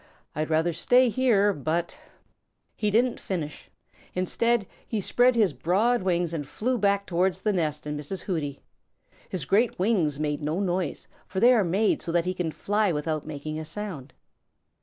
I'd rather stay here, but " He didn't finish. Instead, he spread his broad wings and flew back towards the nest and Mrs. Hooty. His great wings made no noise, for they are made so that he can fly without making a sound.